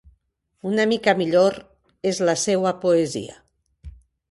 Una mica millor és la seua poesia.